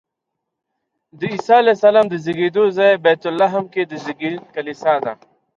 د عیسی علیه السلام د زېږېدو ځای بیت لحم کې د زېږون کلیسا ده.